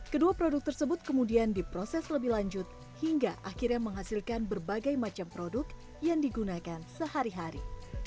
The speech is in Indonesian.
kedua produk tersebut kemudian diproses lebih lanjut hingga akhirnya menghasilkan berbagai macam produk yang digunakan sehari hari